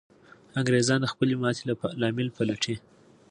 انګریزان د خپلې ماتې لامل پلټي.